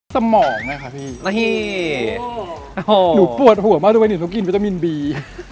สมองนะคะพี่หนูปวดหัวมากด้วยหนูต้องกินวิตามินบี